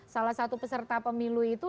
salah satu peserta pemilu itu